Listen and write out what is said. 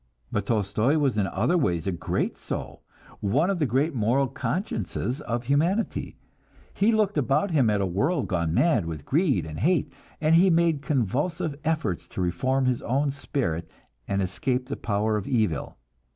But Tolstoi was in other ways a great soul, one of the great moral consciences of humanity. He looked about him at a world gone mad with greed and hate, and he made convulsive efforts to reform his own spirit and escape the power of evil.